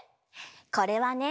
これはね